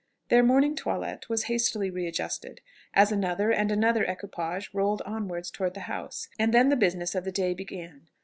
Their morning toilet was hastily readjusted, as another and another equipage rolled onwards towards the house; and then the business of the day began.